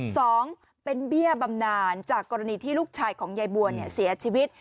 สองเป็นเบี้ยบำนานจากกรณีที่ลูกชายของยายบัวเนี่ยเสียชีวิต